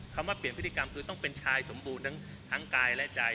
คำว่าเปลี่ยนพฤติกรรมคือต้องเป็นชายสมบูรณ์ทั้งกายและใจ